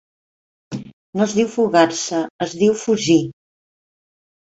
No es diu fugar-se, es diu fugir.